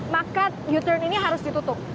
maka u turn ini harus ditutup